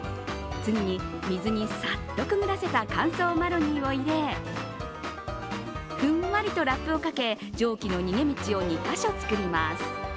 次に、水にさっとくぐらせた乾燥マロニーを入れふんわりとラップをかけ蒸気の逃げ道を２カ所作ります。